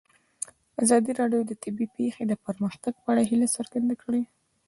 ازادي راډیو د طبیعي پېښې د پرمختګ په اړه هیله څرګنده کړې.